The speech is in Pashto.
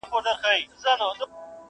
لا د ځان سره مي وړي دي دامونه؛